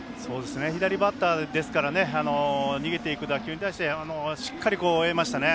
左バッターですからね逃げていく打球に対してしっかり、追えましたね。